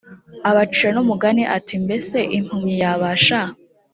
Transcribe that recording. abacira n umugani ati mbese impumyi yabasha